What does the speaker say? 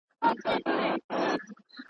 چي پر سر د دې غريب دئ كښېنستلى.